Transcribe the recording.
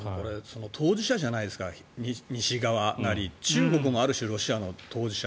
当事者じゃないですか西側なり中国もある種、ロシアの当事者。